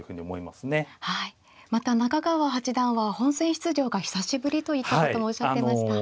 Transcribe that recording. また中川八段は本戦出場が久しぶりといったことをおっしゃってました。